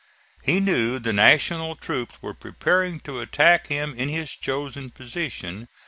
He knew the National troops were preparing to attack him in his chosen position.